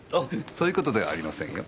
そういう事ではありませんよ